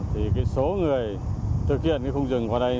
thì số người thực hiện không dừng qua đây